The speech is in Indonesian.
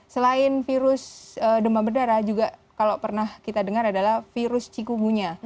selain virus demam berdarah juga kalau pernah kita dengar adalah virus cikumunya